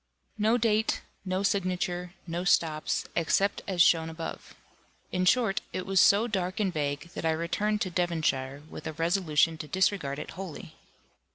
No date, no signature, no stops, except as shown above. In short, it was so dark and vague, that I returned to Devonshire, with a resolution to disregard it wholly.